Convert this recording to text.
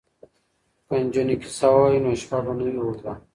که نجونې کیسه ووايي نو شپه به نه وي اوږده.